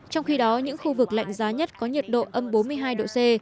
trong khi đó những khu vực lạnh giá nhất có nhiệt độ âm bốn mươi hai độ c